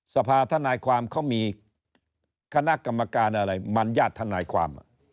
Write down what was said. สภาธนายความเขามีคณะกรรมการอะไรมันญาติทนายความ